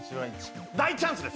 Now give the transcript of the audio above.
大チャンスです